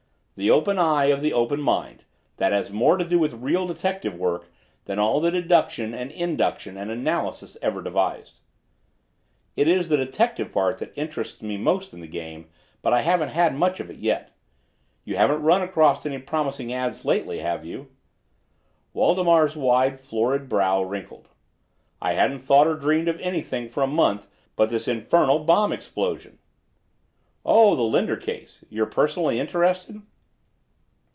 "The open eye of the open mind—that has more to do with real detective work than all the deduction and induction and analysis ever devised." "It is the detective part that interests me most in the game, but I haven't had much of it, yet. You haven't run across any promising ads lately, have you?" Waldemar's wide, florid brow wrinkled. "I haven't thought or dreamed of anything for a month but this infernal bomb explosion." "Oh, the Linder case. You're personally interested?"